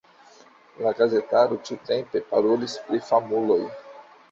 La gazetaro ĉiutempe parolis pri famuloj.